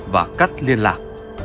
và cắt liên lạc